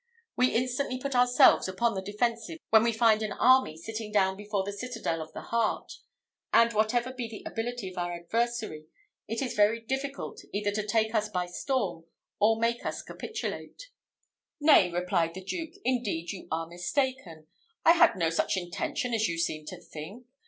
We instantly put ourselves upon the defensive when we find an army sitting down before the citadel of the heart; and whatever be the ability of our adversary, it is very difficult either to take us by storm, or to make us capitulate." "Nay," replied the Duke, "indeed you are mistaken. I had no such intention as you seem to think.